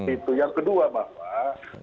itu yang kedua pak